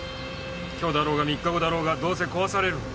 今日だろうが３日後だろうがどうせ壊されるんだ。